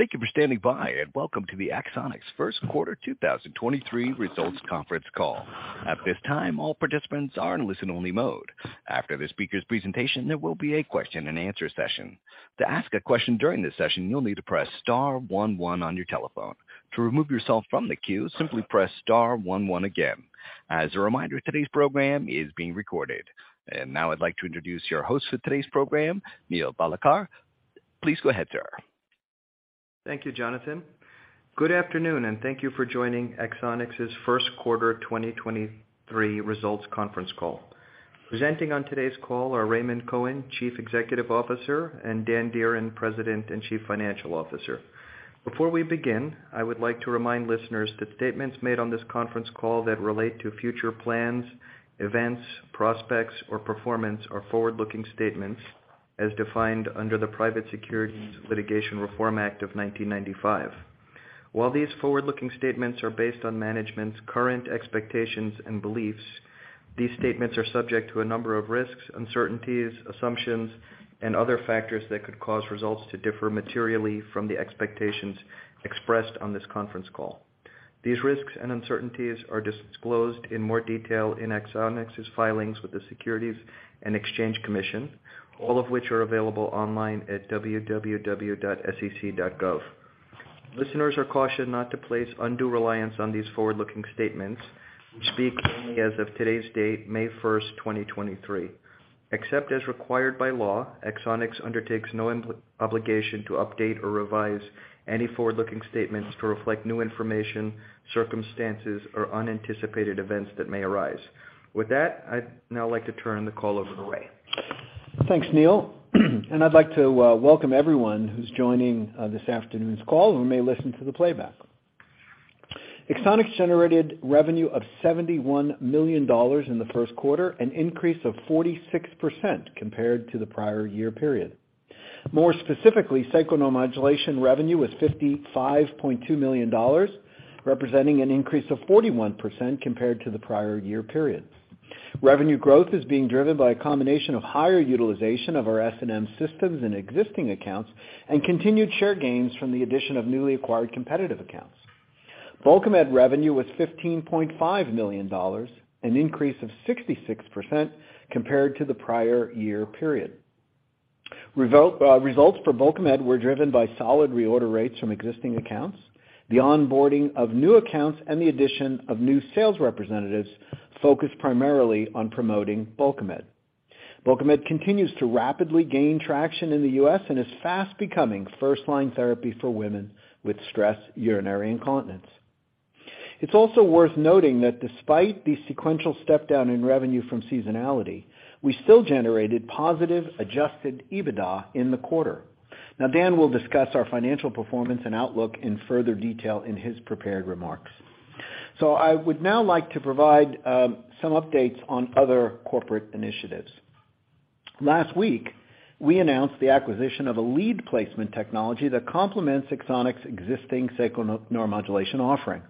Thank you for standing by, welcome to the Axonics' First Quarter 2023 Results Conference Call. At this time, all participants are in listen only mode. After the speaker's presentation, there will be a question-and-answer session. To ask a question during this session, you'll need to press star one one on your telephone. To remove yourself from the queue, simply press star one one again. As a reminder, today's program is being recorded. Now I'd like to introduce your host for today's program, Neil Bhalodkar. Please go ahead, sir. Thank you, Jonathan. Good afternoon, and thank you for joining Axonics' first quarter 2023 results conference call. Presenting on today's call are Raymond Cohen, Chief Executive Officer, and Dan Dearen, President and Chief Financial Officer. Before we begin, I would like to remind listeners that statements made on this conference call that relate to future plans, events, prospects or performance are forward-looking statements as defined under the Private Securities Litigation Reform Act of 1995. While these forward-looking statements are based on management's current expectations and beliefs, these statements are subject to a number of risks, uncertainties, assumptions and other factors that could cause results to differ materially from the expectations expressed on this conference call. These risks and uncertainties are disclosed in more detail in Axonics' filings with the Securities and Exchange Commission, all of which are available online at www.sec.gov. Listeners are cautioned not to place undue reliance on these forward-looking statements, which speak only as of today's date, May 1st, 2023. Except as required by law, Axonics undertakes no obligation to update or revise any forward-looking statements to reflect new information, circumstances or unanticipated events that may arise. With that, I'd now like to turn the call over to Ray. Thanks, Neil. I'd like to welcome everyone who's joining this afternoon's call or may listen to the playback. Axonics generated revenue of $71 million in the first quarter, an increase of 46% compared to the prior year period. More specifically, sacral neuromodulation revenue was $55.2 million, representing an increase of 41% compared to the prior year period. Revenue growth is being driven by a combination of higher utilization of our SNM systems in existing accounts and continued share gains from the addition of newly acquired competitive accounts. Bulkamid revenue was $15.5 million, an increase of 66% compared to the prior year period. Results for Bulkamid were driven by solid reorder rates from existing accounts, the onboarding of new accounts, and the addition of new sales representatives focused primarily on promoting Bulkamid. Bulkamid continues to rapidly gain traction in the U.S. and is fast becoming first line therapy for women with stress urinary incontinence. It's also worth noting that despite the sequential step-down in revenue from seasonality, we still generated positive adjusted EBITDA in the quarter. Dan will discuss our financial performance and outlook in further detail in his prepared remarks. I would now like to provide some updates on other corporate initiatives. Last week, we announced the acquisition of a lead placement technology that complements Axonics' existing sacral neuromodulation offering.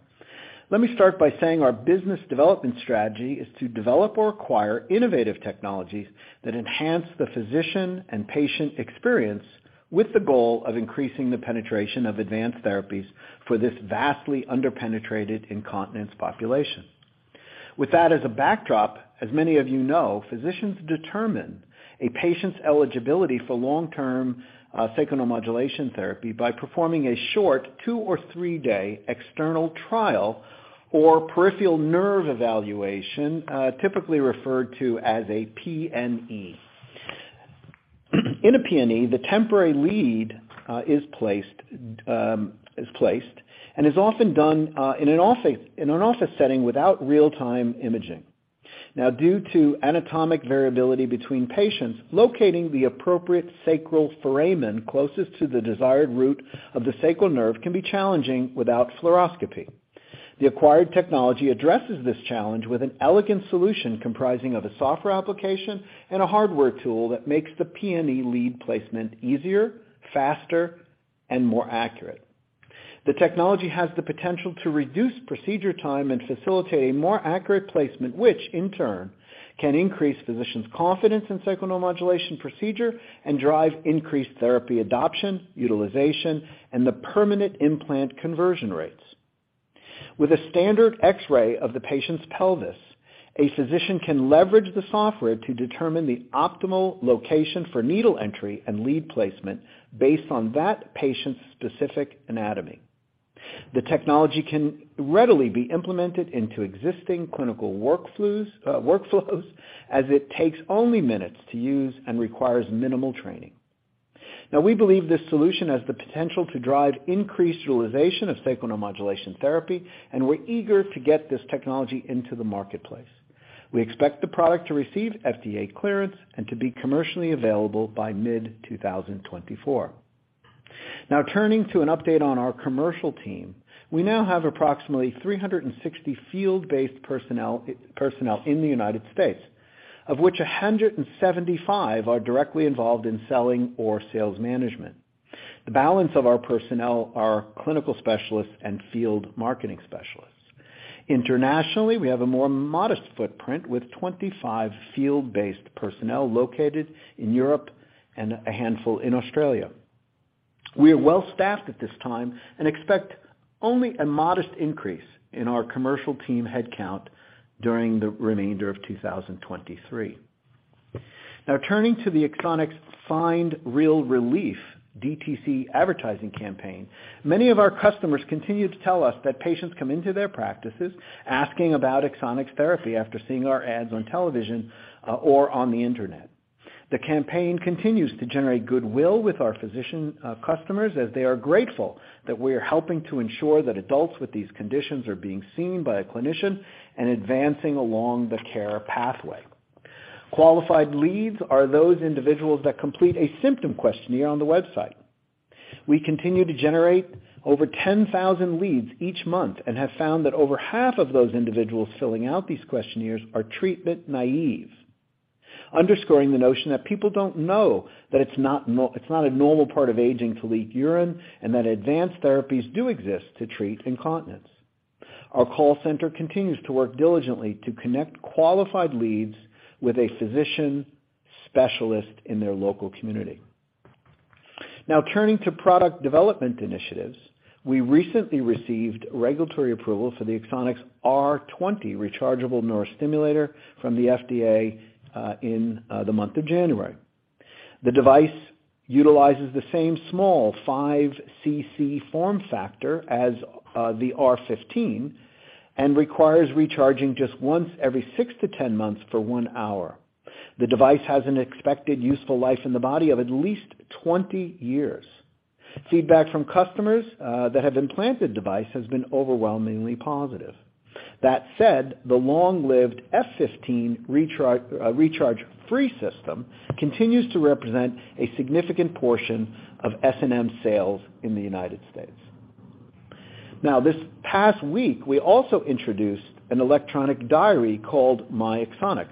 Let me start by saying our business development strategy is to develop or acquire innovative technologies that enhance the physician and patient experience with the goal of increasing the penetration of advanced therapies for this vastly under-penetrated incontinence population. With that as a backdrop, as many of you know, physicians determine a patient's eligibility for long-term sacral neuromodulation therapy by performing a short two or three-day external trial or peripheral nerve evaluation, typically referred to as a PNE. In a PNE, the temporary lead is placed and is often done in an office setting without real-time imaging. Due to anatomic variability between patients, locating the appropriate sacral foramen closest to the desired root of the sacral nerve can be challenging without fluoroscopy. The acquired technology addresses this challenge with an elegant solution comprising of a software application and a hardware tool that makes the PNE lead placement easier, faster, and more accurate. The technology has the potential to reduce procedure time and facilitate a more accurate placement, which in turn can increase physicians' confidence in sacral neuromodulation procedure and drive increased therapy adoption, utilization, and the permanent implant conversion rates. With a standard X-ray of the patient's pelvis, a physician can leverage the software to determine the optimal location for needle entry and lead placement based on that patient's specific anatomy. The technology can readily be implemented into existing clinical workflows as it takes only minutes to use and requires minimal training. We believe this solution has the potential to drive increased utilization of sacral neuromodulation therapy, and we're eager to get this technology into the marketplace. We expect the product to receive FDA clearance and to be commercially available by mid 2024. Turning to an update on our commercial team. We now have approximately 360 field-based personnel in the United States, of which 175 are directly involved in selling or sales management. The balance of our personnel are clinical specialists and field marketing specialists. Internationally, we have a more modest footprint with 25 field-based personnel located in Europe and a handful in Australia. We are well-staffed at this time and expect only a modest increase in our commercial team headcount during the remainder of 2023. Now turning to the Axonics Find Real Relief DTC advertising campaign. Many of our customers continue to tell us that patients come into their practices asking about Axonics therapy after seeing our ads on television or on the Internet. The campaign continues to generate goodwill with our physician customers, as they are grateful that we are helping to ensure that adults with these conditions are being seen by a clinician and advancing along the care pathway. Qualified leads are those individuals that complete a symptom questionnaire on the website. We continue to generate over 10,000 leads each month and have found that over 1/2 of those individuals filling out these questionnaires are treatment naive, underscoring the notion that people don't know that it's not a normal part of aging to leak urine, and that advanced therapies do exist to treat incontinence. Our call center continues to work diligently to connect qualified leads with a physician specialist in their local community. Now turning to product development initiatives. We recently received regulatory approval for the Axonics R20 rechargeable neurostimulator from the FDA in the month of January. The device utilizes the same small 5 CC form factor as the R15 and requires echarging just once every six to 10 months for one hour. The device has an expected useful life in the body of at least 20 years. Feedback from customers that have implanted device has been overwhelmingly positive. That said, the long-lived F15 recharge-free system continues to represent a significant portion of SNM sales in the United States. This past week, we also introduced an electronic diary called myAxonics,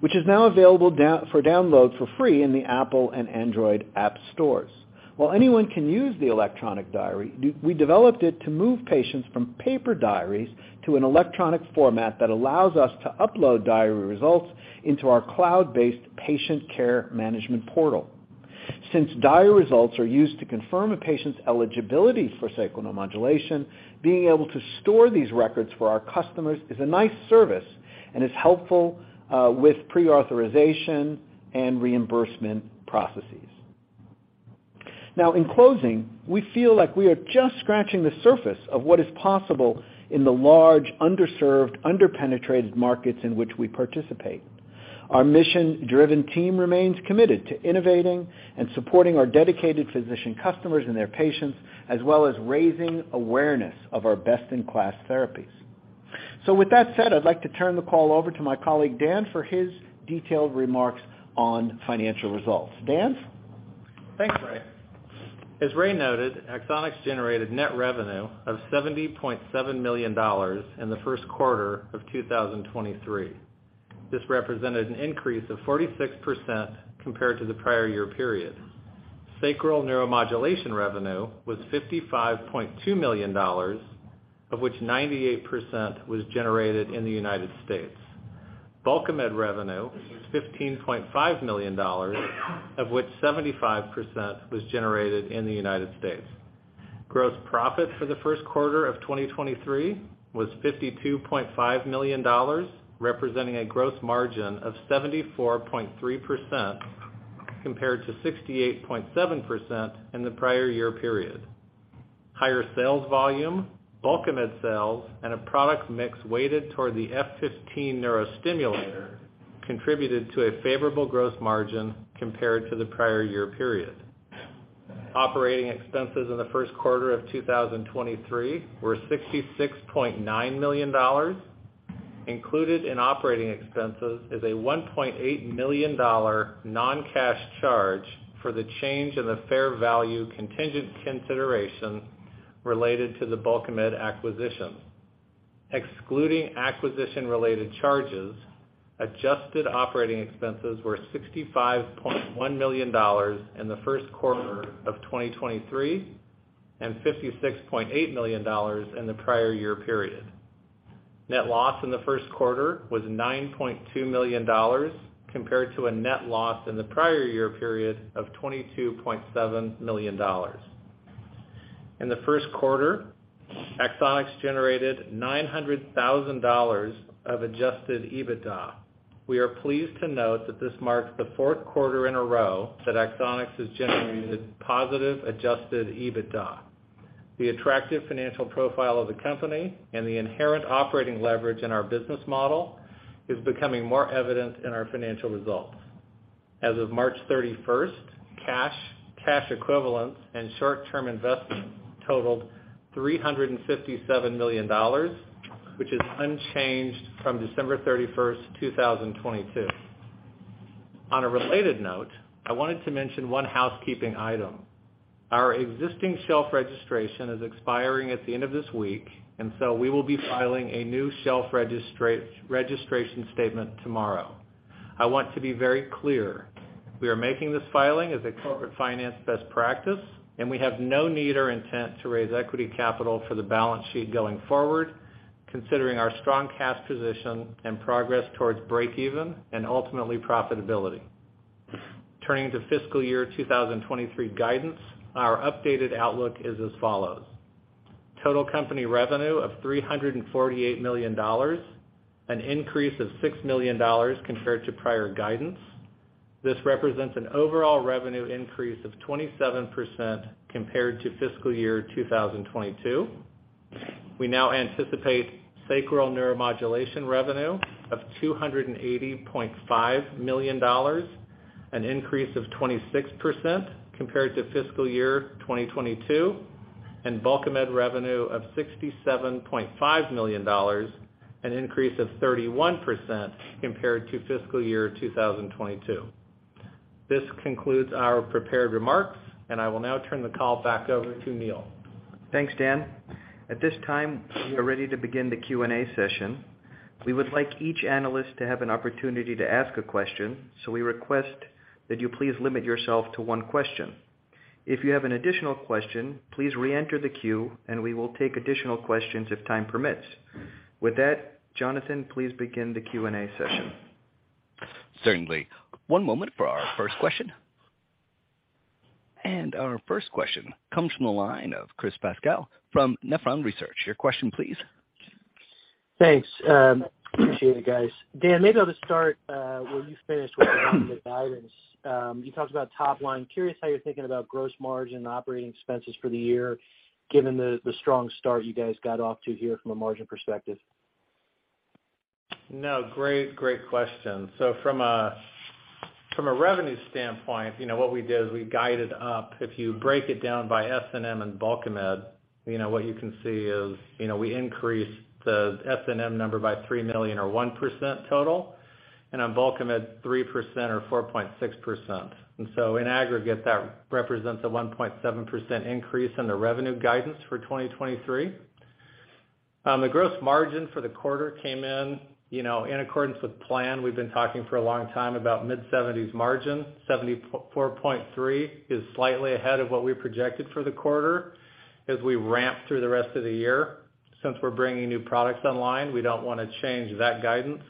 which is now available for download for free in the Apple and Android app stores. While anyone can use the electronic diary, we developed it to move patients from paper diaries to an electronic format that allows us to upload diary results into our cloud-based patient care management portal. Since diary results are used to confirm a patient's eligibility for sacral neuromodulation, being able to store these records for our customers is a nice service and is helpful with pre-authorization and reimbursement processes. In closing, we feel like we are just scratching the surface of what is possible in the large, underserved, underpenetrated markets in which we participate. Our mission-driven team remains committed to innovating and supporting our dedicated physician customers and their patients, as well as raising awareness of our best-in-class therapies. With that said, I'd like to turn the call over to my colleague Dan for his detailed remarks on financial results. Dan? Thanks, Ray. As Ray noted, Axonics generated net revenue of $70.7 million in the first quarter of 2023. This represented an increase of 46% compared to the prior year period. Sacral neuromodulation revenue was $55.2 million, of which 98% was generated in the United States. Bulkamid revenue was $15.5 million, of which 75% was generated in the United States. Gross profit for the first quarter of 2023 was $52.5 million, representing a gross margin of 74.3% compared to 68.7% in the prior year period. Higher sales volume, Bulkamid sales, and a product mix weighted toward the F15 neurostimulator contributed to a favorable gross margin compared to the prior year period. Operating expenses in the first quarter of 2023 were $66.9 million. Included in operating expenses is a $1.8 million non-cash charge for the change in the fair value contingent consideration related to the Bulkamid acquisition. Excluding acquisition-related charges, adjusted operating expenses were $65.1 million in the first quarter of 2023, and $56.8 million in the prior year period. Net loss in the first quarter was $9.2 million compared to a net loss in the prior year period of $22.7 million. In the first quarter, Axonics generated $900,000 of adjusted EBITDA. We are pleased to note that this marks the fourth quarter in a row that Axonics has generated positive adjusted EBITDA. The attractive financial profile of the company and the inherent operating leverage in our business model is becoming more evident in our financial results. As of March 31st, cash equivalents, and short-term investments totaled $357 million, which is unchanged from December 31st, 2022. On a related note, I wanted to mention one housekeeping item. Our existing shelf registration is expiring at the end of this week, we will be filing a new shelf registration statement tomorrow. I want to be very clear. We are making this filing as a corporate finance best practice, and we have no need or intent to raise equity capital for the balance sheet going forward, considering our strong cash position and progress towards break even and ultimately profitability. Turning to fiscal year 2023 guidance, our updated outlook is as follows. Total company revenue of $348 million, an increase of $6 million compared to prior guidance. This represents an overall revenue increase of 27% compared to fiscal year 2022. We now anticipate sacral neuromodulation revenue of $280.5 million, an increase of 26% compared to fiscal year 2022, and Bulkamid revenue of $67.5 million, an increase of 31% compared to fiscal year 2022. This concludes our prepared remarks, and I will now turn the call back over to Neil. Thanks, Dan. At this time, we are ready to begin the Q&A session. We would like each analyst to have an opportunity to ask a question, so we request that you please limit yourself to one question. If you have an additional question, please reenter the queue, and we will take additional questions if time permits. With that, Jonathan, please begin the Q&A session. Certainly. One moment for our first question. Our first question comes from the line of Chris Pasquale from Nephron Research. Your question, please. Thanks, appreciate it, guys. Dan, maybe I'll just start where you finished with the guidance. You talked about top line. Curious how you're thinking about gross margin operating expenses for the year, given the strong start you guys got off to here from a margin perspective? No, great question. From a revenue standpoint, you know, what we did is we guided up. If you break it down by SNM and Bulkamid, you know, what you can see is, you know, we increased the SNM number by $3 million or 1% total, and on Bulkamid, 3% or 4.6%. In aggregate, that represents a 1.7% increase in the revenue guidance for 2023. The gross margin for the quarter came in, you know, in accordance with plan. We've been talking for a long time about mid-70s margin. 74.3% is slightly ahead of what we projected for the quarter as we ramp through the rest of the year. Since we're bringing new products online, we don't wanna change that guidance.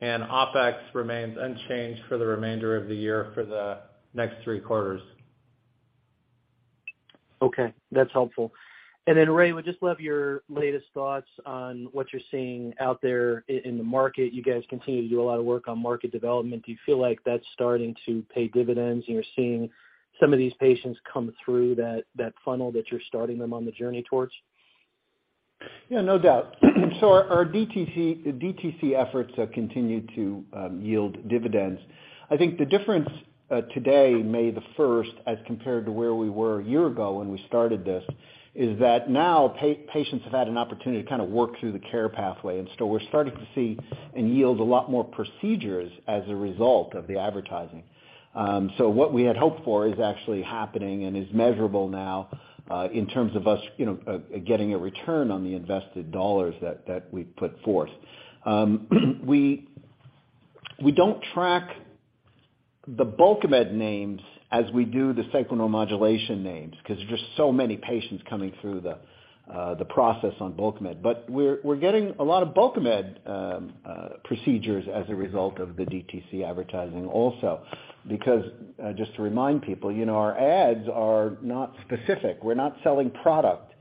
OpEx remains unchanged for the remainder of the year for the next three quarters. Okay, that's helpful. Ray, would just love your latest thoughts on what you're seeing out there in the market? You guys continue to do a lot of work on market development. Do you feel like that's starting to pay dividends, and you're seeing some of these patients come through that funnel that you're starting them on the journey towards? No doubt. Our DTC efforts have continued to yield dividends. I think the difference today, May the first, as compared to where we were a year ago when we started this, is that now patients have had an opportunity to kind of work through the care pathway. We're starting to see and yield a lot more procedures as a result of the advertising. What we had hoped for is actually happening and is measurable now in terms of us, you know, getting a return on the invested dollars that we put forth. We don't track the Bulkamid names as we do the sacral neuromodulation names 'cause there's just so many patients coming through the process on Bulkamid. We're getting a lot of Bulkamid procedures as a result of the DTC advertising also. Just to remind people, you know, our ads are not specific. We're not selling product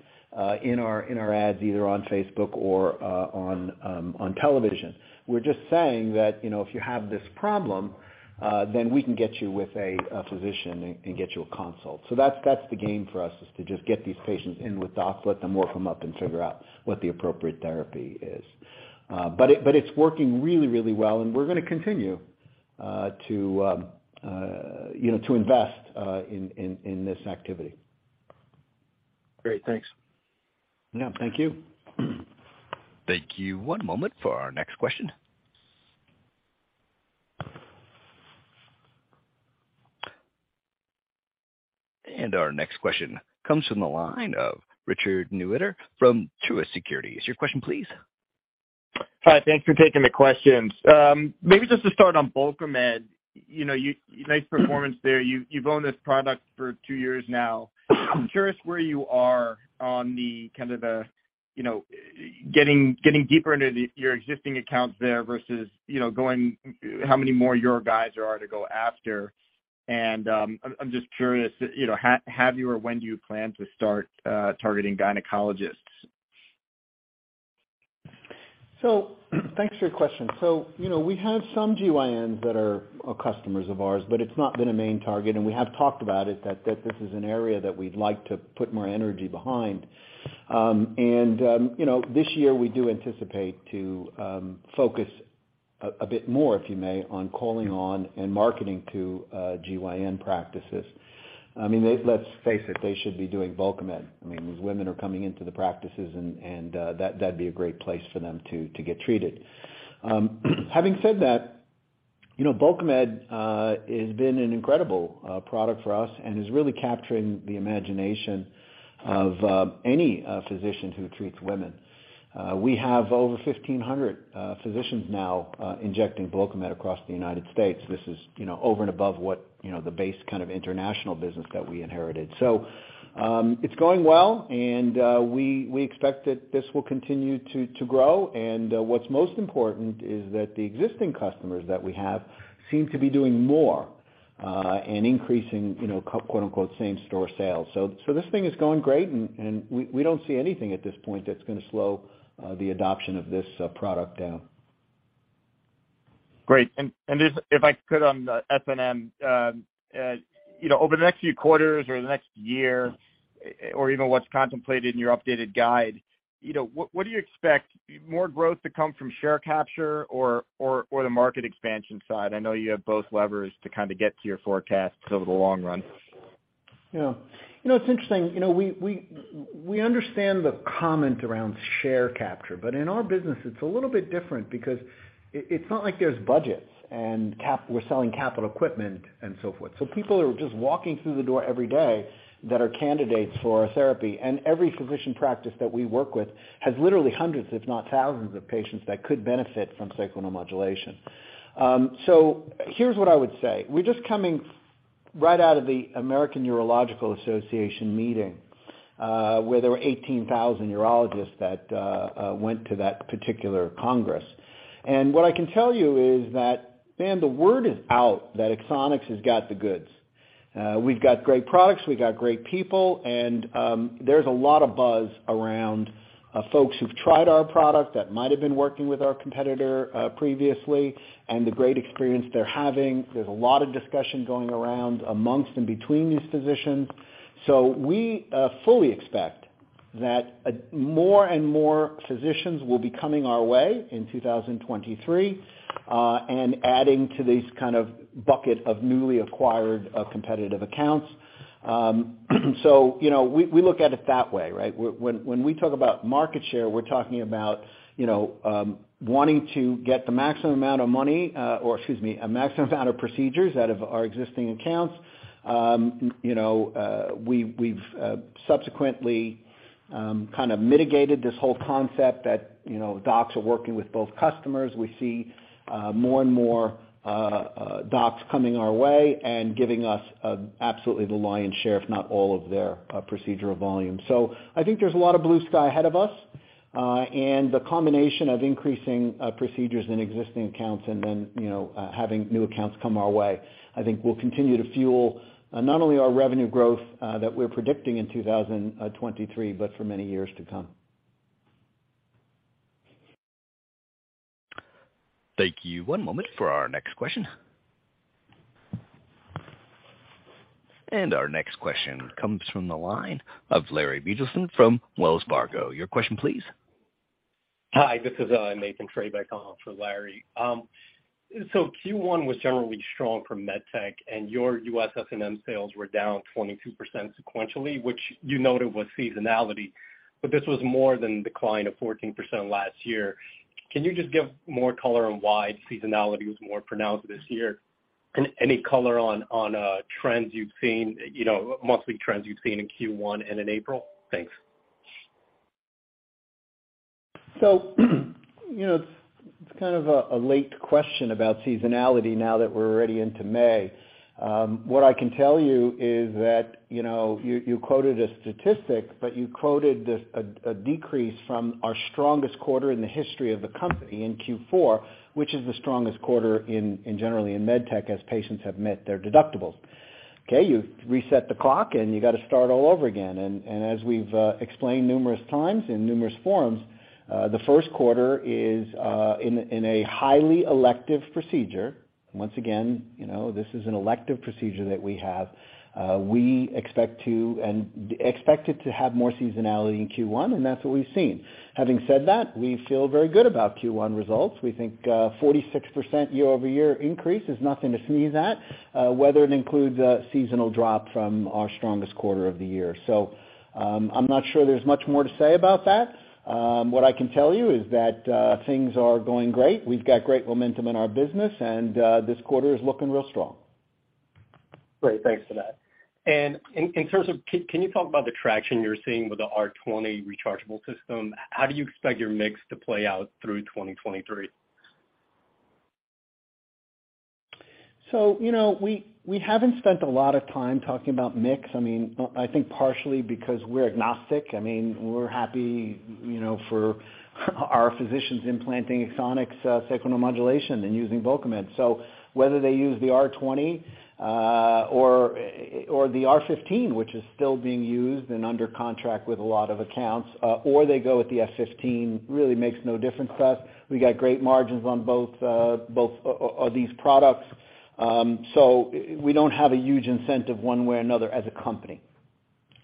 in our ads, either on Facebook or on television. We're just saying that, you know, if you have this problem, then we can get you with a physician and get you a consult. That's the game for us, is to just get these patients in with docs, let them work them up and figure out what the appropriate therapy is. It's working really, really well, and we're gonna continue, you know, to invest in this activity. Great. Thanks. Yeah. Thank you. Thank you. One moment for our next question. Our next question comes from the line of Richard Newitter from Truist Securities. Your question, please. Hi. Thanks for taking the questions. Maybe just to start on Bulkamid. You know, nice performance there. You've owned this product for two years now. I'm curious where you are on the kind of the, you know, getting deeper into your existing accounts there versus, you know, how many more your guys are to go after. I'm just curious, you know, have you or when do you plan to start targeting gynecologists? So thanks for your question. You know, we have some GYNs that are customers of ours, but it's not been a main target, and we have talked about it that this is an area that we'd like to put more energy behind. You know, this year, we do anticipate to focus a bit more, if you may, on calling on and marketing to GYN practices. I mean, let's face it, they should be doing Bulkamid. I mean, these women are coming into the practices and that'd be a great place for them to get treated. Having said that. You know, Bulkamid has been an incredible product for us and is really capturing the imagination of any physician who treats women. We have over 1,500 physicians now, injecting Bulkamid across the United States. This is, you know, over and above what, you know, the base kind of international business that we inherited. It's going well, and we expect that this will continue to grow. What's most important is that the existing customers that we have seem to be doing more, and increasing, you know, quote-unquote, same store sales. So this thing is going great, and we don't see anything at this point that's gonna slow the adoption of this product down. Great. Just if I could on the SNM, you know, over the next few quarters or the next year or even what's contemplated in your updated guide, you know, what do you expect more growth to come from share capture or the market expansion side? I know you have both levers to kind of get to your forecasts over the long run. You know, it's interesting, you know, we understand the comment around share capture, but in our business it's a little bit different because it's not like there's budgets and we're selling capital equipment and so forth. People are just walking through the door every day that are candidates for our therapy. Every physician practice that we work with has literally hundreds, if not thousands of patients that could benefit from sacral neuromodulation. Here's what I would say. We're just coming right out of the American Urological Association meeting, where there were 18,000 urologists that went to that particular congress. What I can tell you is that, man, the word is out that Axonics has got the goods. We've got great products, we've got great people, and there's a lot of buzz around folks who've tried our product that might have been working with our competitor previously and the great experience they're having. There's a lot of discussion going around amongst and between these physicians. We fully expect that more and more physicians will be coming our way in 2023 and adding to these kind of bucket of newly acquired competitive accounts. You know, we look at it that way, right? When, when we talk about market share, we're talking about, you know, wanting to get the maximum amount of money, or excuse me, a maximum amount of procedures out of our existing accounts. you know, we've subsequently kind of mitigated this whole concept that, you know, docs are working with both customers. We see more and more docs coming our way and giving us absolutely the lion's share, if not all of their procedural volume. I think there's a lot of blue sky ahead of us, and the combination of increasing procedures in existing accounts and then, you know, having new accounts come our way, I think will continue to fuel not only our revenue growth that we're predicting in 2023, but for many years to come. Thank you. One moment for our next question. Our next question comes from the line of Larry Biegelsen from Wells Fargo. Your question, please. Hi, this is Nathan Treybeck on for Larry. Q1 was generally strong for med tech, your U.S. SNM sales were down 22% sequentially, which you noted was seasonality, this was more than the decline of 14% last year. Can you just give more color on why seasonality was more pronounced this year? Any color on trends you've seen, you know, monthly trends you've seen in Q1 and in April? Thanks. You know, it's kind of a late question about seasonality now that we're already into May. What I can tell you is that, you know, you quoted a statistic, but you quoted a decrease from our strongest quarter in the history of the company in Q4, which is the strongest quarter in generally in medtech as patients have met their deductibles. Okay, you've reset the clock, and you got to start all over again. As we've explained numerous times in numerous forums, the first quarter is in a highly elective procedure. Once again, you know, this is an elective procedure that we have. We expect to and expect it to have more seasonality in Q1, and that's what we've seen. Having said that, we feel very good about Q1 results. We think, 46% year-over-year increase is nothing to sneeze at, whether it includes a seasonal drop from our strongest quarter of the year. I'm not sure there's much more to say about that. What I can tell you is that, things are going great. We've got great momentum in our business and, this quarter is looking real strong. Great. Thanks for that. In terms of can you talk about the traction you're seeing with the R20 rechargeable system? How do you expect your mix to play out through 2023? You know, we haven't spent a lot of time talking about mix. I mean, I think partially because we're agnostic. I mean, we're happy, you know, for our physicians implanting Axonics' sacral neuromodulation and using Bulkamid. Whether they use the R20, or the R15, which is still being used and under contract with a lot of accounts, or they go with the F15, really makes no difference to us. We got great margins on both of these products. We don't have a huge incentive one way or another as a company.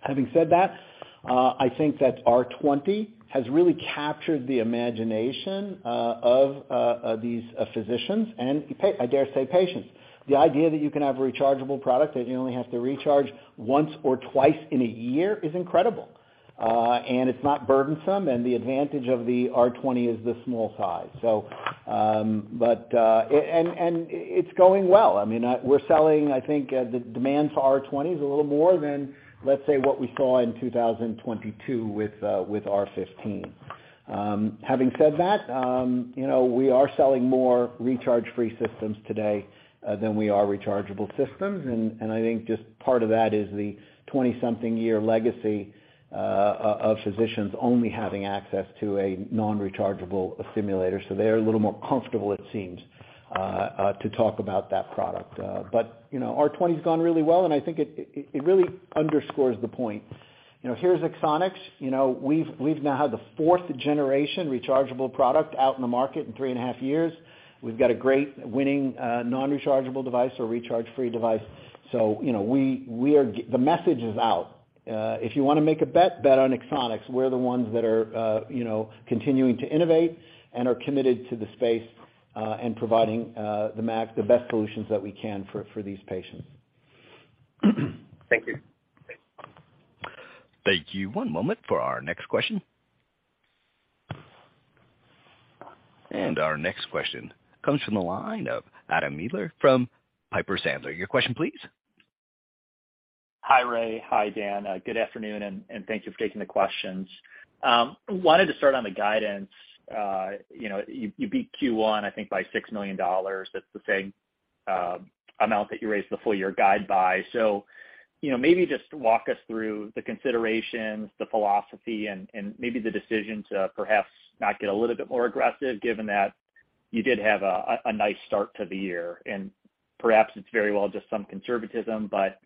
Having said that, I think that R20 has really captured the imagination of these physicians and I dare say patients. The idea that you can have a rechargeable product that you only have to recharge once or twice in a year is incredible. It's not burdensome, and the advantage of the R20 is the small size. It's going well. I mean, we're selling, I think, the demand for R20 is a little more than, let's say, what we saw in 2022 with R15. Having said that, you know, we are selling more recharge-free systems today than we are rechargeable systems. I think just part of that is the 20-something year legacy of physicians only having access to a non-rechargeable stimulator. They are a little more comfortable, it seems, to talk about that product. You know, R20 has gone really well, and I think it really underscores the point. You know, here's Axonics, you know, we've now had the fourth generation rechargeable product out in the market in 3.5 years. We've got a great winning, non-rechargeable device or recharge-free device. You know, we are the message is out. If you wanna make a bet on Axonics. We're the ones that are, you know, continuing to innovate and are committed to the space and providing the max, the best solutions that we can for these patients. Thank you. Thank you. One moment for our next question. Our next question comes from the line of Adam Maeder from Piper Sandler. Your question, please. Hi, Ray. Hi, Dan. Good afternoon, and thank you for taking the questions. Wanted to start on the guidance. You know, you beat Q1, I think, by $6 million. That's the same amount that you raised the full year guide by. You know, maybe just walk us through the considerations, the philosophy, and maybe the decision to perhaps not get a little bit more aggressive, given that you did have a nice start to the year. Perhaps it's very well just some conservatism, but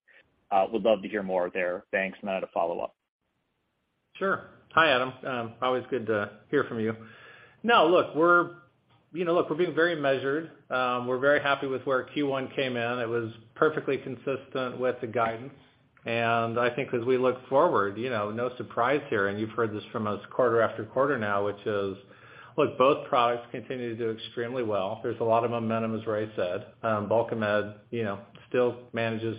would love to hear more there. Thanks. Then I have a follow-up. Sure. Hi, Adam. Always good to hear from you. Now, look, you know, look, we're being very measured. We're very happy with where Q1 came in. It was perfectly consistent with the guidance. I think as we look forward, you know, no surprise here, and you've heard this from us quarter after quarter now, which is, look, both products continue to do extremely well. There's a lot of momentum, as Ray said. Bulkamid, you know, still manages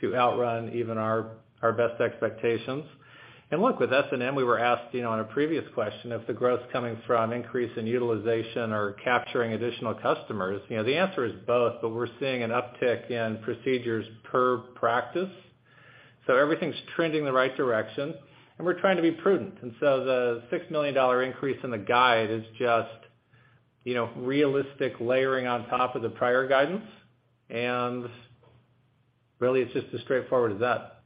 to outrun even our best expectations. Look, with SNM, we were asking on a previous question if the growth coming from increase in utilization or capturing additional customers. You know, the answer is both, but we're seeing an uptick in procedures per practice. Everything's trending the right direction, and we're trying to be prudent. The $6 million increase in the guide is just, you know, realistic layering on top of the prior guidance. It's just as straightforward as that.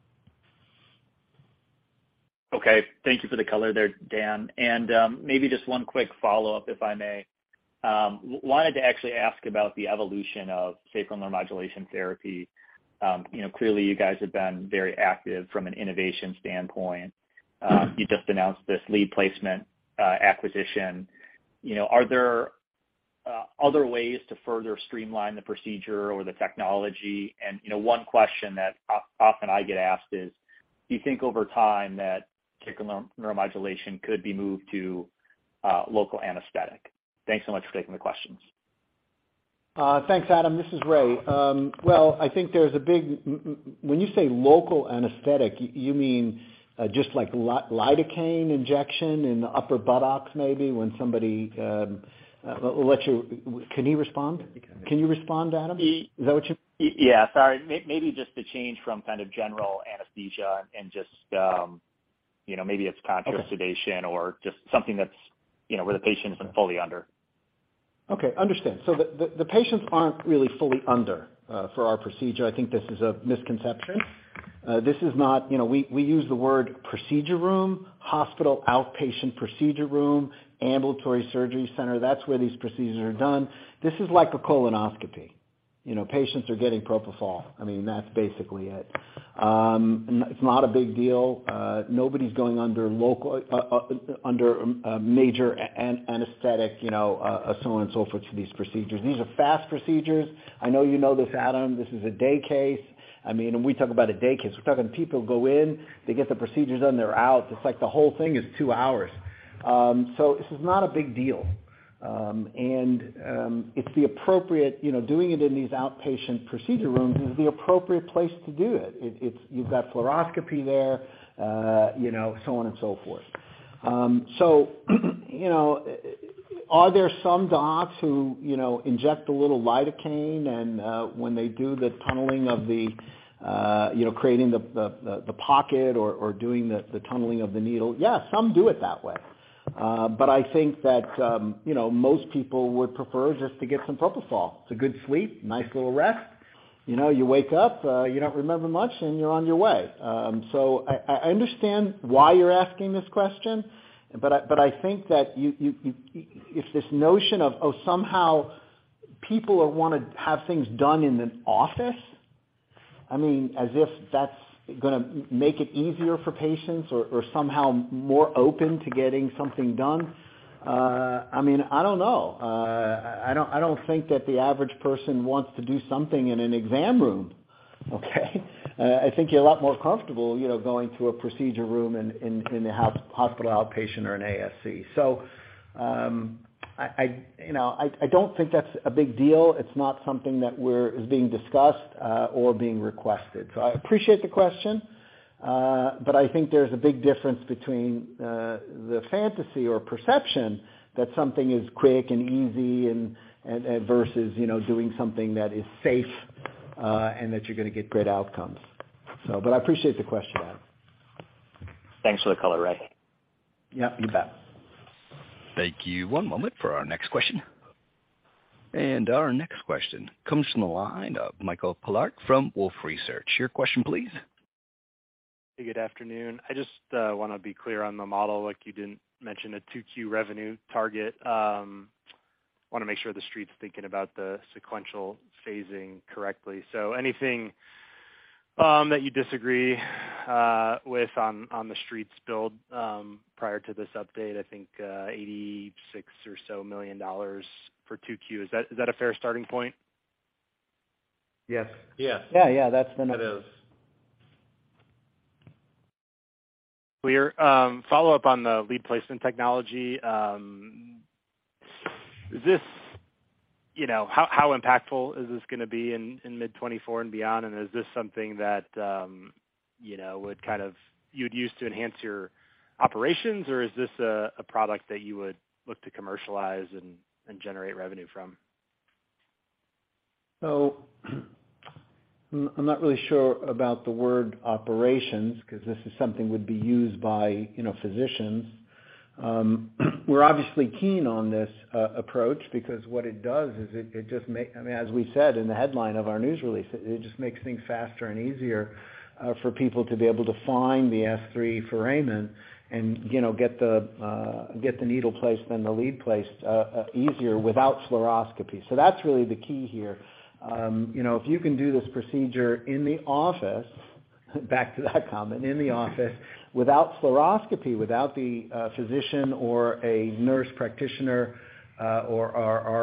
Okay. Thank you for the color there, Dan. Maybe just one quick follow-up, if I may. Wanted to actually ask about the evolution of sacral neuromodulation therapy. You know, clearly, you guys have been very active from an innovation standpoint. You just announced this lead placement acquisition. You know, are there other ways to further streamline the procedure or the technology? You know, one question that often I get asked is, do you think over time that sacral neuromodulation could be moved to local anesthetic? Thanks so much for taking the questions. Thanks, Adam. This is Ray. Well, I think there's a big. When you say local anesthetic, you mean just like lidocaine injection in the upper buttocks maybe when somebody lets you? Can he respond? Can you respond, Adam? Is that what you? Sorry. Maybe just the change from kind of general anesthesia and just, you know, maybe it's conscious sedation or just something that's, you know, where the patient isn't fully under. Okay. Understood. The patients aren't really fully under for our procedure. I think this is a misconception. This is not. You know, we use the word procedure room, hospital outpatient procedure room, ambulatory surgery center. That's where these procedures are done. This is like a colonoscopy. You know, patients are getting propofol. I mean, that's basically it. It's not a big deal. Nobody's going under a major anesthetic, you know, so on and so forth for these procedures. These are fast procedures. I know you know this, Adam. This is a day case. I mean, when we talk about a day case, we're talking people go in, they get the procedures done, they're out. It's like the whole thing is two hours. This is not a big deal. It's the appropriate, you know, doing it in these outpatient procedure rooms is the appropriate place to do it. You've got fluoroscopy there, you know, so on and so forth. Are there some docs who, you know, inject a little lidocaine and when they do the tunneling of the, you know, creating the pocket or doing the tunneling of the needle? Yeah, some do it that way. I think that, you know, most people would prefer just to get some propofol. It's a good sleep, nice little rest. You know, you wake up, you don't remember much, and you're on your way. I understand why you're asking this question, but I think that you. If this notion of, oh, somehow people would wanna have things done in an office, I mean, as if that's gonna make it easier for patients or somehow more open to getting something done, I mean, I don't know. I don't think that the average person wants to do something in an exam room. Okay. I think you're a lot more comfortable, you know, going to a procedure room in, in a hospital outpatient or an ASC. I, you know, I don't think that's a big deal. It's not something that is being discussed, or being requested. I appreciate the question, but I think there's a big difference between the fantasy or perception that something is quick and easy and versus, you know, doing something that is safe, and that you're gonna get great outcomes. But I appreciate the question, Adam. Thanks for the color, Ray. Yeah, you bet. Thank you. One moment for our next question. Our next question comes from the line of Mike Polark from Wolfe Research. Your question please. Good afternoon. I just wanna be clear on the model, like you didn't mention a 2Q revenue target. Wanna make sure the street's thinking about the sequential phasing correctly. Anything that you disagree with on the street's build prior to this update, I think $86 million or so for 2Q, is that a fair starting point? Yes. Yes. Yeah. Yeah. That's the number. That is. Clear. Follow-up on the lead placement technology. You know, how impactful is this gonna be in mid-2024 and beyond? Is this something that, you know, you'd use to enhance your operations? Or is this a product that you would look to commercialize and generate revenue from? I'm not really sure about the word operations, because this is something would be used by, you know, physicians. We're obviously keen on this approach because what it does is it just makes things faster and easier for people to be able to find the S3 foramen and, you know, get the needle placed and the lead placed easier without fluoroscopy. That's really the key here. You know, if you can do this procedure in the office, back to that comment, in the office without fluoroscopy, without the physician or a nurse practitioner, or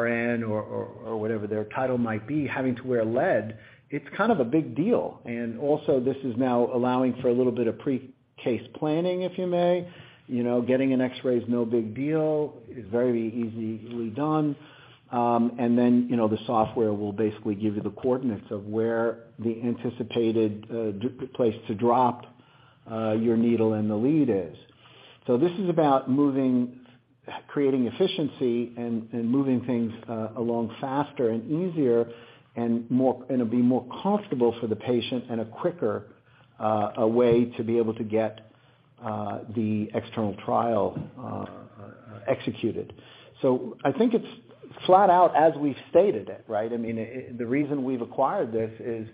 RN or whatever their title might be, having to wear lead, it's kind of a big deal. Also this is now allowing for a little bit of pre-case planning, if you may. Getting an X-ray is no big deal, is very easily done. And then, you know, the software will basically give you the coordinates of where the anticipated place to drop your needle and the lead is. This is about moving creating efficiency and moving things along faster and easier and it'll be more comfortable for the patient and a quicker way to be able to get the external trial executed. I think it's flat out as we've stated it, right? I mean, the reason we've acquired this is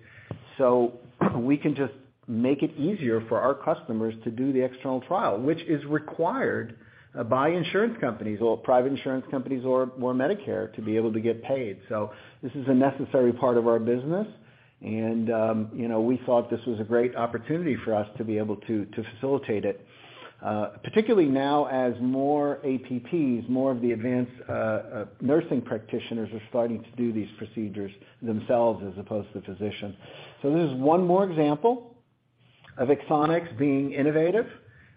so we can just make it easier for our customers to do the external trial, which is required by insurance companies or private insurance companies or Medicare to be able to get paid. This is a necessary part of our business. You know, we thought this was a great opportunity for us to be able to facilitate it, particularly now as more APPs, more of the advanced nursing practitioners are starting to do these procedures themselves as opposed to physicians. This is one more example of Axonics being innovative,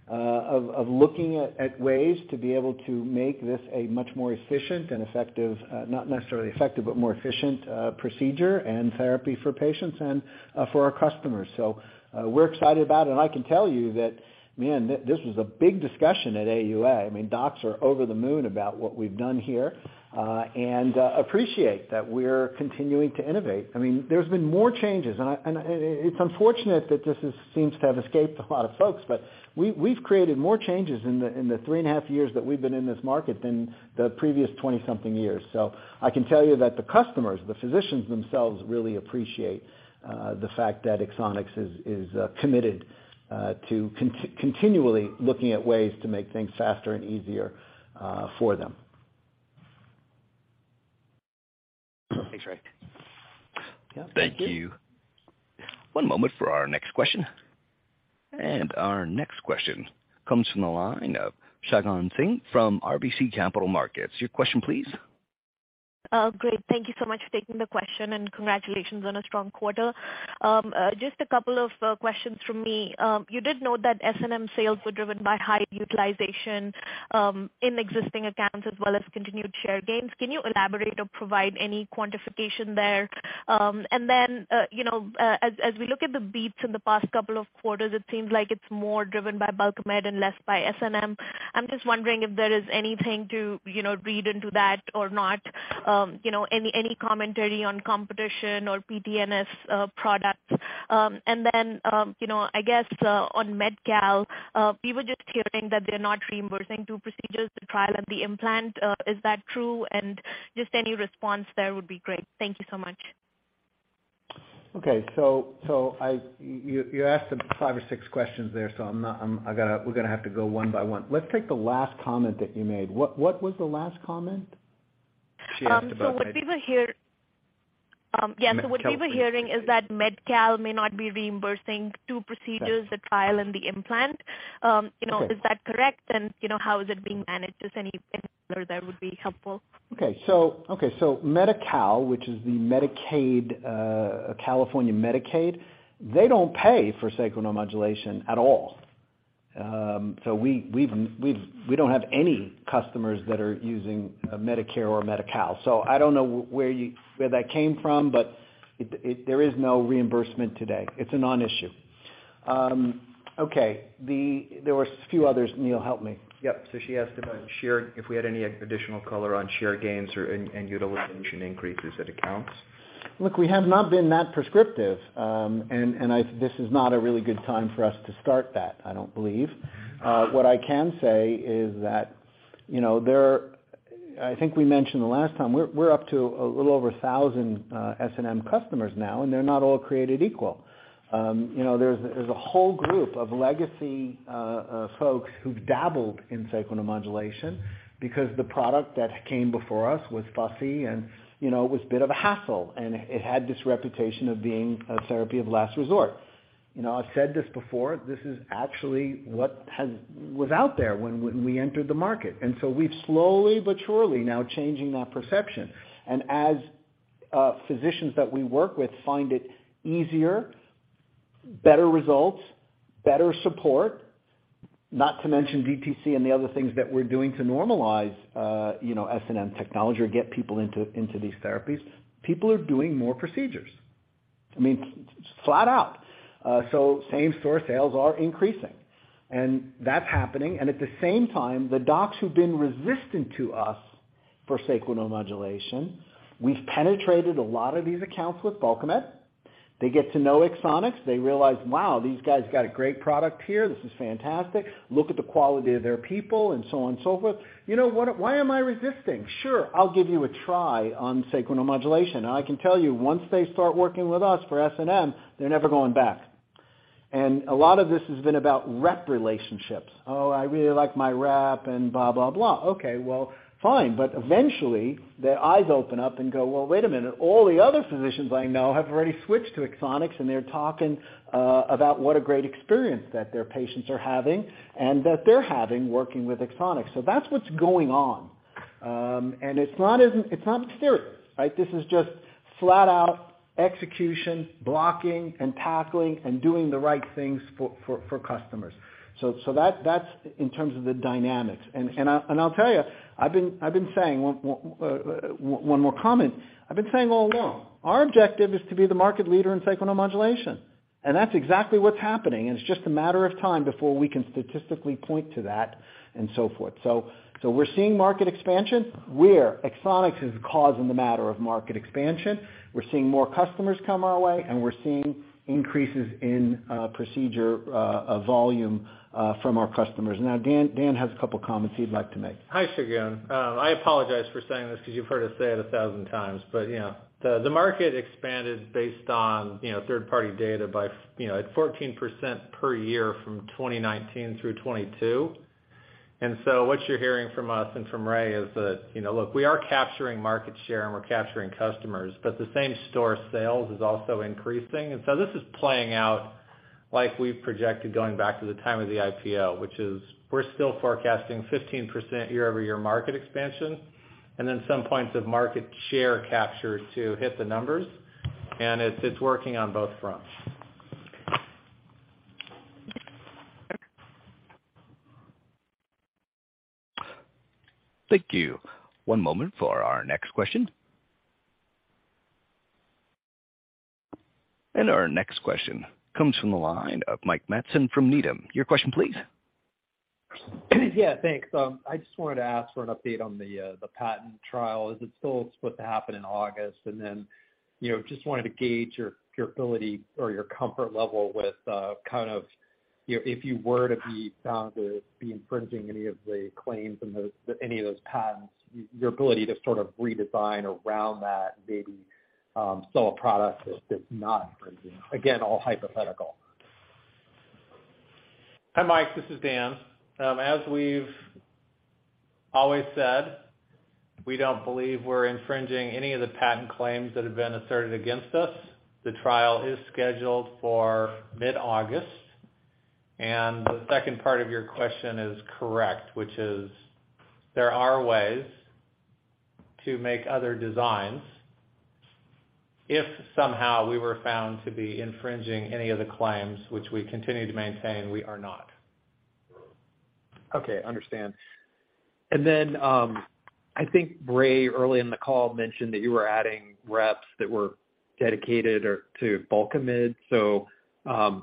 of looking at ways to be able to make this a much more efficient and effective, not necessarily effective, but more efficient, procedure and therapy for patients and for our customers. We're excited about it. I can tell you that, man, this was a big discussion at AUA. I mean, docs are over the moon about what we've done here, and appreciate that we're continuing to innovate. I mean, there's been more changes, and it's unfortunate that this is seems to have escaped a lot of folks, but we've created more changes in the, in the 3.5 years that we've been in this market than the previous 20 something years. I can tell you that the customers, the physicians themselves really appreciate the fact that Axonics is committed to continually looking at ways to make things faster and easier for them. Thanks, Ray. Yeah. Thank you. One moment for our next question. Our next question comes from the line of Shagun Singh from RBC Capital Markets. Your question, please. Great. Thank you so much for taking the question, and congratulations on a strong quarter. Just a couple of questions from me. You did note that SNM sales were driven by high utilization in existing accounts as well as continued share gains. Can you elaborate or provide any quantification there? Then, you know, as we look at the beeps in the past couple of quarters, it seems like it's more driven by Bulkamid and less by SNM. I'm just wondering if there is anything to, you know, read into that or not. You know, any commentary on competition or PTNS products? Then, you know, I guess, on Medi-Cal, we were just hearing that they're not reimbursing two procedures, the trial and the implant. Is that true? Just any response there would be great. Thank you so much. You asked five or six questions there, so we're gonna have to go one by one. Let's take the last comment that you made. What was the last comment? What we were. She asked about Medi-Cal. Yeah. Medi-Cal What we were hearing is that Medi-Cal may not be reimbursing two procedures, the trial and the implant. You know. Okay. is that correct? You know, how is it being managed? Just any color there would be helpful. Okay. So Medi-Cal, which is the Medicaid, California Medicaid, they don't pay for sacral neuromodulation at all. So we don't have any customers that are using Medicare or Medi-Cal. I don't know where that came from, but there is no reimbursement today. It's a non-issue. Okay. There were few others. Neil, help me. Yep. She asked about share, if we had any additional color on share gains or, and utilization increases at accounts. Look, we have not been that prescriptive, and this is not a really good time for us to start that, I don't believe. What I can say is that, you know, there I think we mentioned the last time, we're up to a little over 1,000 SNM customers now, and they're not all created equal. You know, there's a whole group of legacy folks who dabbled in sacral neuromodulation because the product that came before us was fussy and, you know, was a bit of a hassle, and it had this reputation of being a therapy of last resort. You know, I've said this before, this is actually what was out there when we entered the market. We've slowly but surely now changing that perception. As physicians that we work with find it easier, better results, better support, not to mention VPC and the other things that we're doing to normalize, you know, SNM technology or get people into these therapies, people are doing more procedures. I mean, flat out. So same store sales are increasing. That's happening. At the same time, the docs who've been resistant to us for sacral neuromodulation, we've penetrated a lot of these accounts with Bulkamid. They get to know Axonics. They realize, "Wow, these guys got a great product here. This is fantastic. Look at the quality of their people," and so on and so forth. "You know, why am I resisting? Sure, I'll give you a try on sacral neuromodulation." I can tell you, once they start working with us for SNM, they're never going back. A lot of this has been about rep relationships. "Oh, I really like my rep," and blah, blah. Okay, well, fine. Eventually, their eyes open up and go, "Well, wait a minute. All the other physicians I know have already switched to Axonics, and they're talking about what a great experience that their patients are having, and that they're having working with Axonics." That's what's going on. It's not a mystery, right? This is just flat out execution, blocking and tackling and doing the right things for customers. That's in terms of the dynamics. I'll tell you, I've been saying one more comment. I've been saying all along, our objective is to be the market leader in sacral neuromodulation. That's exactly what's happening. It's just a matter of time before we can statistically point to that and so forth. We're seeing market expansion, where Axonics is causing the matter of market expansion. We're seeing increases in procedure volume from our customers. Dan has a couple of comments he'd like to make. Hi, Segun. I apologize for saying this because you've heard us say it 1,000 times. You know, the market expanded based on, you know, third-party data by, you know, at 14% per year from 2019 through 2022. What you're hearing from us and from Ray is that, you know, look, we are capturing market share, and we're capturing customers, but the same store sales is also increasing. This is playing out like we've projected going back to the time of the IPO, which is we're still forecasting 15% year-over-year market expansion, and then some points of market share capture to hit the numbers, and it's working on both fronts. Thank you. One moment for our next question. Our next question comes from the line of Mike Matson from Needham. Your question, please. Yeah, thanks. I just wanted to ask for an update on the patent trial. Is it still split to happen in August? You know, just wanted to gauge your ability or your comfort level with, kind of, you know, if you were to be found to be infringing any of those patents, your ability to sort of redesign around that, maybe, sell a product that's not infringing. Again, all hypothetical. Hi, Mike, this is Dan. As we've always said, we don't believe we're infringing any of the patent claims that have been asserted against us. The trial is scheduled for mid-August. The second part of your question is correct, which is there are ways to make other designs if somehow we were found to be infringing any of the claims, which we continue to maintain we are not. Okay. Understand. Then, I think Ray, early in the call, mentioned that you were adding reps that were dedicated to Bulkamid.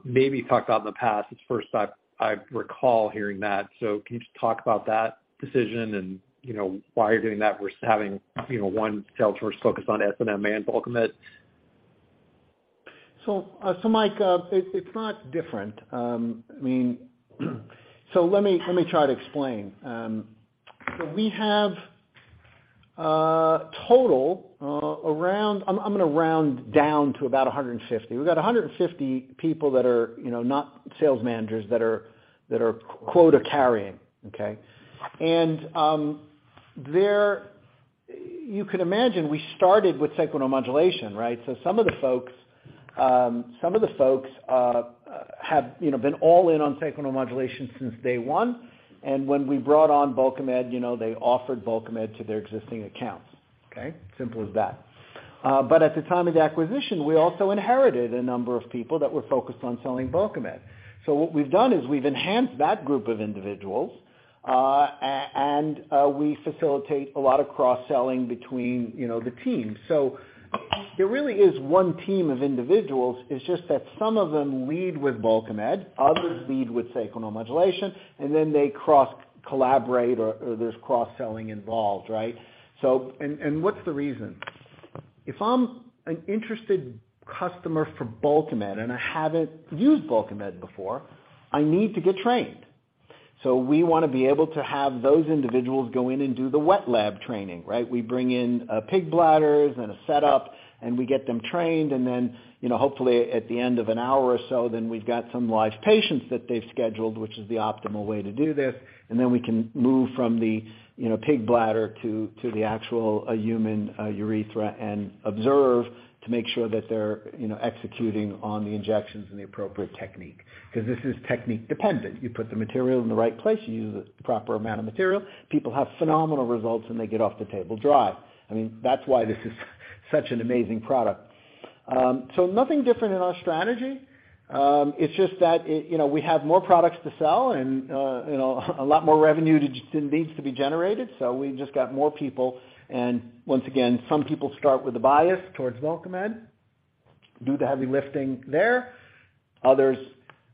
Maybe you talked about in the past. It's the first I recall hearing that. Can you just talk about that decision and, you know, why you're doing that versus having, you know, one sales force focused on SNM and Bulkamid? Mike, it's not different. I mean, let me try to explain. We have a total, around I'm gonna round down to about 150. We've got 150 people that are, you know, not sales managers that are quota carrying, okay? You could imagine we started with sacral neuromodulation, right? Some of the folks have, you know, been all in on sacral neuromodulation since day one. When we brought on Bulkamid, you know, they offered Bulkamid to their existing accounts, okay? Simple as that. But at the time of the acquisition, we also inherited a number of people that were focused on selling Bulkamid. What we've done is we've enhanced that group of individuals, and we facilitate a lot of cross-selling between, you know, the teams. There really is one team of individuals. It's just that some of them lead with Bulkamid, others lead with sacral neuromodulation, and then they cross-collaborate or there's cross-selling involved, right? What's the reason? If I'm an interested customer for Bulkamid and I haven't used Bulkamid before, I need to get trained. We wanna be able to have those individuals go in and do the wet lab training, right? We bring in pig bladders and a setup, and we get them trained. You know, hopefully at the end of an hour or so, we've got some live patients that they've scheduled, which is the optimal way to do this. Then we can move from the, you know, pig bladder to the actual human urethra and observe to make sure that they're, you know, executing on the injections and the appropriate technique. This is technique dependent. You put the material in the right place, you use the proper amount of material, people have phenomenal results, and they get off the table dry. That's why this is such an amazing product. Nothing different in our strategy. It's just that it, you know, we have more products to sell and, you know, a lot more revenue needs to be generated, so we've just got more people. Once again, some people start with a bias towards Bulkamid, do the heavy lifting there. Others,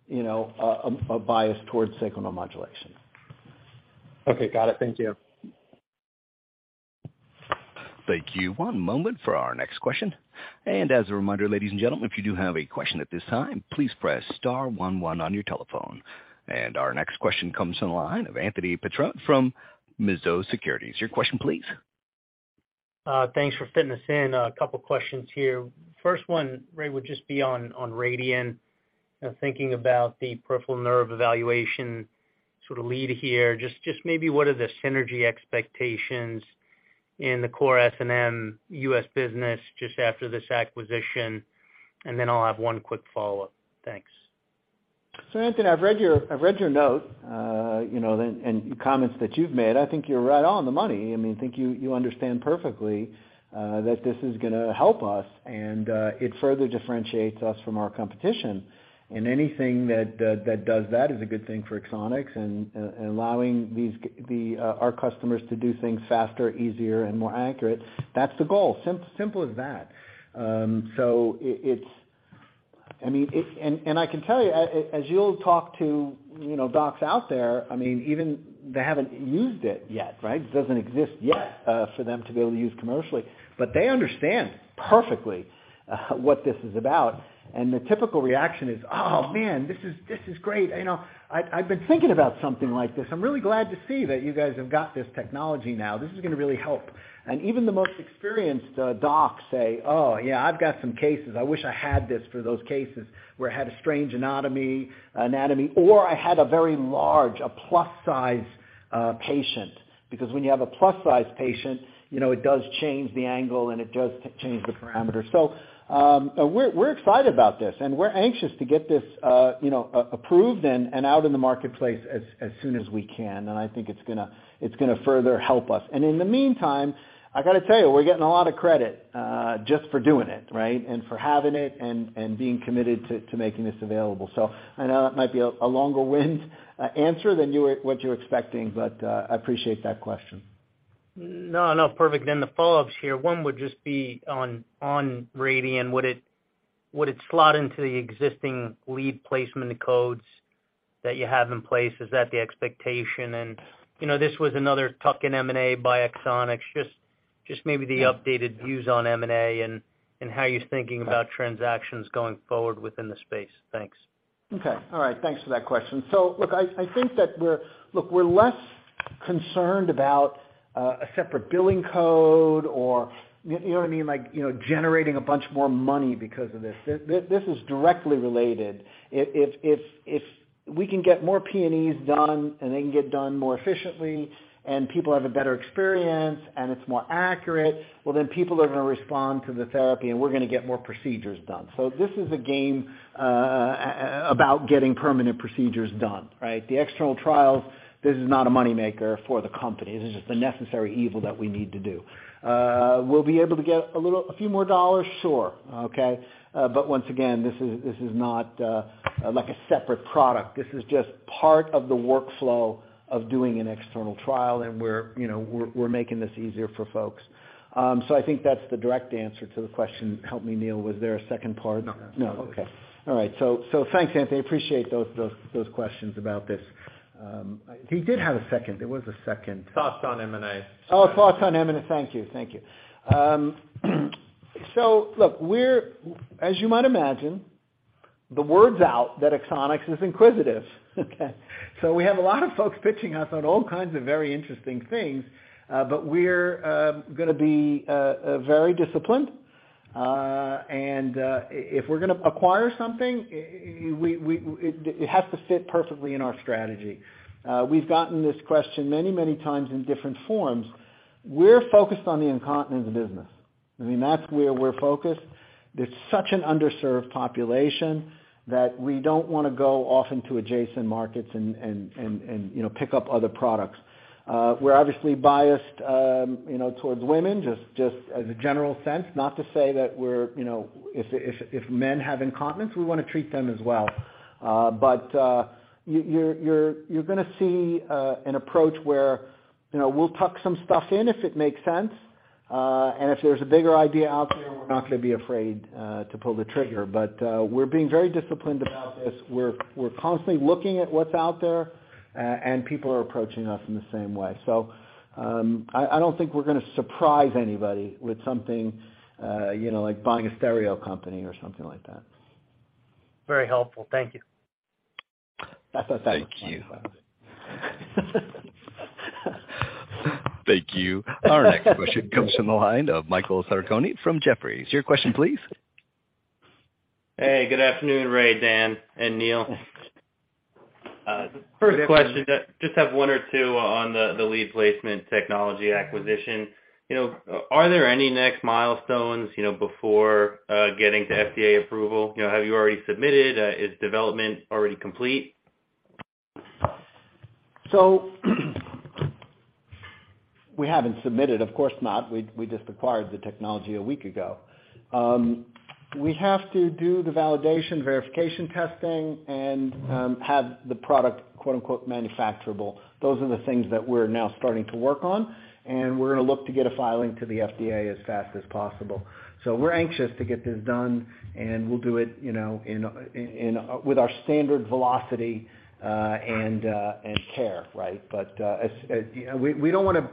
you know, a bias towards sacral neuromodulation. Okay. Got it. Thank you. Thank you. One moment for our next question. As a reminder, ladies and gentlemen, if you do have a question at this time, please press star one one on your telephone. Our next question comes from the line of Anthony Petrone from Mizuho Securities. Your question please. Thanks for fitting us in. A couple questions here. First one, Ray, would just be on Radian, you know, thinking about the peripheral nerve evaluation sort of lead here. Just maybe what are the synergy expectations in the core SNM U.S. business just after this acquisition? Then I'll have one quick follow-up. Thanks. Anthony, I've read your note, you know, and comments that you've made. I think you're right on the money. I mean, you understand perfectly that this is gonna help us and it further differentiates us from our competition. Anything that does that is a good thing for Axonics and allowing these our customers to do things faster, easier and more accurate, that's the goal. Simple as that. I mean, it. I can tell you, as you'll talk to, you know, docs out there, I mean, even they haven't used it yet, right? It doesn't exist yet for them to be able to use commercially, but they understand perfectly what this is about. The typical reaction is, "Oh, man, this is great. You know, I've been thinking about something like this. I'm really glad to see that you guys have got this technology now. This is gonna really help. Even the most experienced docs say, "Oh, yeah, I've got some cases. I wish I had this for those cases where I had a strange anatomy, or I had a very large, a plus size patient." Because when you have a plus size patient, you know, it does change the angle and it does change the parameters. We're excited about this, and we're anxious to get this, you know, approved and out in the marketplace as soon as we can. I think it's gonna further help us. In the meantime, I gotta tell you, we're getting a lot of credit just for doing it, right? For having it and being committed to making this available. I know that might be a longer wind answer than what you were expecting, but, I appreciate that question. No, no. Perfect. The follow-ups here, one would just be on Radian. Would it slot into the existing lead placement codes that you have in place? Is that the expectation? You know, this was another tuck-in M&A by Axonics. Just maybe the updated views on M&A and how you're thinking about transactions going forward within the space. Thanks. Okay. All right. Thanks for that question. Look, we're less concerned about a separate billing code or, you know what I mean? Like, you know, generating a bunch more money because of this. This is directly related. If we can get more PNEs done, and they can get done more efficiently, and people have a better experience, and it's more accurate, well, then people are gonna respond to the therapy, and we're gonna get more procedures done. This is a game about getting permanent procedures done, right? The external trials, this is not a money maker for the company. This is just a necessary evil that we need to do. We'll be able to get a few more dollars? Sure. Okay. Once again, this is not like a separate product. This is just part of the workflow of doing an external trial, and we're, you know, we're making this easier for folks. I think that's the direct answer to the question. Help me, Neil, was there a second part? No. No. Okay. All right. Thanks, Anthony. Appreciate those questions about this. He did have a second. There was a second. Thoughts on M&A. Thoughts on M&A. Thank you. Thank you. Look, as you might imagine, the word's out that Axonics is inquisitive, okay? We have a lot of folks pitching us on all kinds of very interesting things, but we're gonna be very disciplined. If we're gonna acquire something, Raymond, it has to fit perfectly in our strategy. We've gotten this question many, many times in different forms. We're focused on the incontinence business. I mean, that's where we're focused. There's such an underserved population that we don't wanna go off into adjacent markets and, you know, pick up other products. We're obviously biased, you know, towards women, just as a general sense. Not to say that we're... You know, if men have incontinence, we wanna treat them as well. But, you're gonna see an approach where, you know, we'll tuck some stuff in if it makes sense, and if there's a bigger idea out there, we're not gonna be afraid to pull the trigger. We're being very disciplined about this. We're constantly looking at what's out there, and people are approaching us in the same way. I don't think we're gonna surprise anybody with something, you know, like buying a stereo company or something like that. Very helpful. Thank you. Thank you. Thank you. Our next question comes from the line of Michael Sarcone from Jefferies. Your question please. Hey, good afternoon, Ray, Dan, and Neil. First question, just have one or two on the lead placement technology acquisition. You know, are there any next milestones, you know, before getting to FDA approval? You know, have you already submitted? Is development already complete? We haven't submitted, of course not. We just acquired the technology one week ago. We have to do the validation verification testing and have the product quote-unquote manufacturable. Those are the things that we're now starting to work on, and we're gonna look to get a filing to the FDA as fast as possible. We're anxious to get this done, and we'll do it, you know, in a with our standard velocity and care, right? As you know, we don't wanna,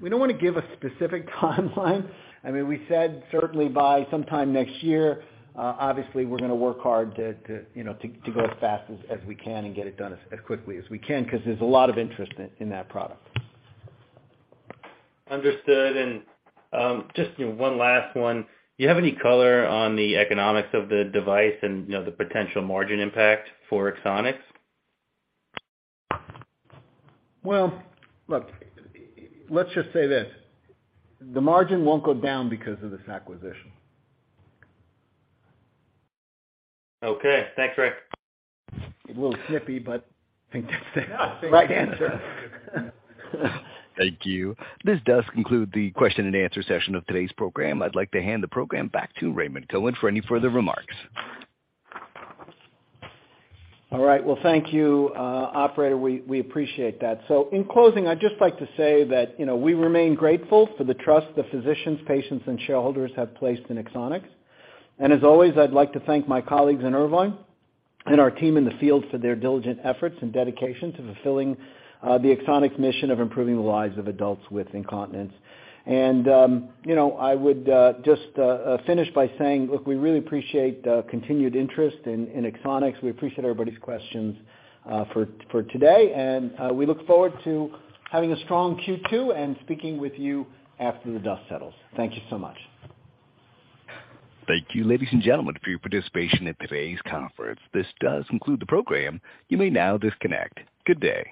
we don't wanna give a specific timeline. I mean, we said certainly by sometime next year, obviously we're gonna work hard to, you know, to go as fast as we can and get it done as quickly as we can, 'cause there's a lot of interest in that product. Understood. Just, you know, one last one. Do you have any color on the economics of the device and, you know, the potential margin impact for Axonics? Well, look, let's just say this, the margin won't go down because of this acquisition. Okay. Thanks, Ray. A little snippy, but I think that's the right answer. Thank you. This does conclude the question-and-answer session of today's program. I'd like to hand the program back to Raymond Cohen for any further remarks. All right. Well, thank you, operator. We appreciate that. In closing, I'd just like to say that, you know, we remain grateful for the trust the physicians, patients, and shareholders have placed in Axonics. As always, I'd like to thank my colleagues in Irvine and our team in the field for their diligent efforts and dedication to fulfilling the Axonics mission of improving the lives of adults with incontinence. You know, I would just finish by saying, look, we really appreciate continued interest in Axonics. We appreciate everybody's questions for today, and we look forward to having a strong Q2 and speaking with you after the dust settles. Thank you so much. Thank you, ladies and gentlemen, for your participation in today's conference. This does conclude the program. You may now disconnect. Good day.